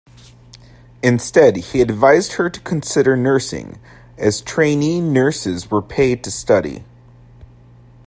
Instead he advised her to consider nursing, as trainee nurses were paid to study.